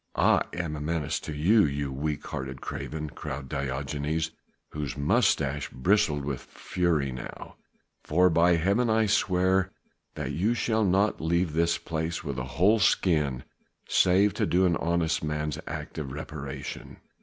"I am a menace to you, you weak hearted craven," cried Diogenes whose moustache bristled with fury now, "for by Heaven I swear that you shall not leave this place with a whole skin save to do an honest man's act of reparation."